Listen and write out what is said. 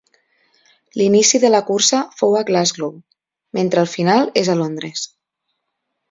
L'inici de la cursa fou a Glasgow, mentre el final és a Londres.